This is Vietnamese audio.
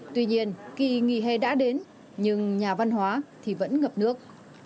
tuy nhiên kỳ nghỉ hè đã đến nhưng nhà văn hóa thì vẫn ngập nước